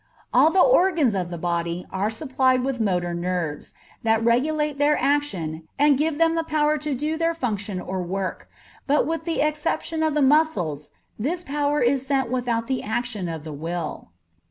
All the organs of the body are supplied with motor nerves, that regulate their action and give them the power to do their function or work, but with the exception of the muscles, this power is sent without the action of the will.